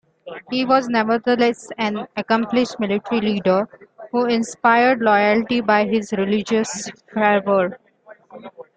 He was nevertheless an accomplished military leader, who inspired loyalty by his religious fervour.